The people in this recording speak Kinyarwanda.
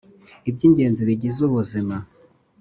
iby’ingenzi bigize ubuzima